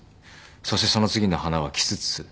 そしてその次の花はキスツス。